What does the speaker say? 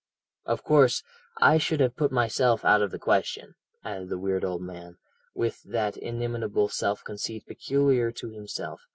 "Of course, I should have put myself out of the question," added the weird old man, with that inimitable self conceit peculiar to himself.